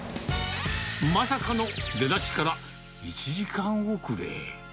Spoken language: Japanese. まさかの出だしから１時間遅れ。